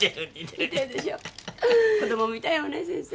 子供みたいよね先生。